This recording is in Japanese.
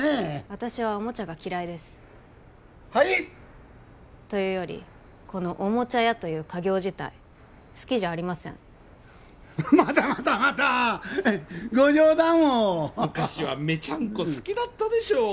私はおもちゃが嫌いですはい？というよりこのおもちゃ屋という家業自体好きじゃありませんまたまたまたご冗談を昔はメチャンコ好きだったでしょう？